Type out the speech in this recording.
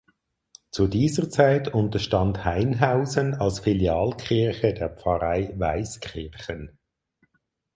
Zu dieser Zeit unterstand Hainhausen als Filialkirche der Pfarrei Weiskirchen.